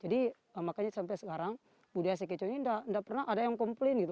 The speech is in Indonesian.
jadi makanya sampai sekarang budaya sakeco ini enggak pernah ada yang komplain gitu